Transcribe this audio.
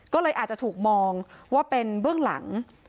ก็เลยอาจจะถูกมองว่าเป็นเบื้องหลัง